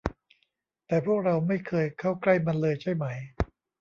แต่พวกเราไม่เคยเข้าใกล้มันเลยใช่ไหม